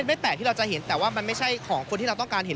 ไม่แปลกที่เราจะเห็นแต่ว่ามันไม่ใช่ของคนที่เราต้องการเห็น